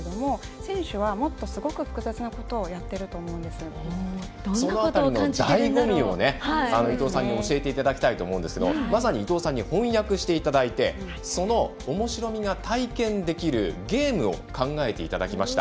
選手は、もっと複雑なことをそのだいご味を伊藤さんに教えていただきたいと思いますがまさに伊藤さんに翻訳していただいてそのおもしろみが体験できるゲームを考えていただきました。